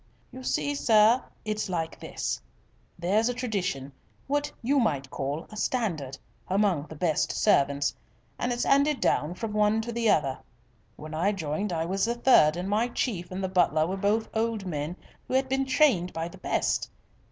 "You see, sir, it's like this: There's a tradition what you might call a standard among the best servants, and it's 'anded down from one to the other. When I joined I was a third, and my chief and the butler were both old men who had been trained by the best.